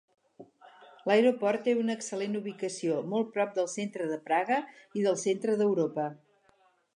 L'aeroport té una excel·lent ubicació, molt prop del centre de Praga i del centre d'Europa.